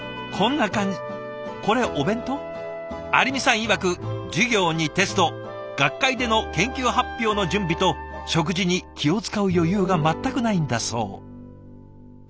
いわく授業にテスト学会での研究発表の準備と食事に気を遣う余裕が全くないんだそう。